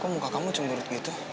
kok muka kamu cemburut gitu